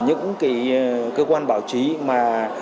những cái cơ quan báo chí mà